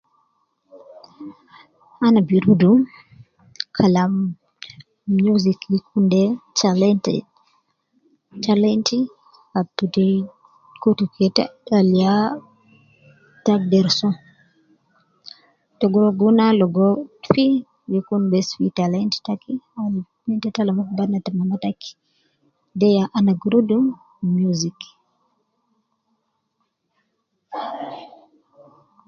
Ana bi rudu kalam music gi kun de talente, talenti ab te kutu ke ta al ya ita agder soo, te gi rua guna ligo fi, gi kun bes fi talent taki, min ta ta ligo fi batna ta mama taki, de ya ana gi rudu music